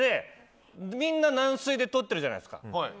みんな軟水でとってるじゃないですか。